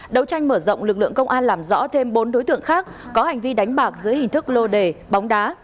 đấu tranh mở rộng lực lượng công an làm rõ thêm bốn đối tượng khác có hành vi đánh bạc dưới hình thức lô đề bóng đá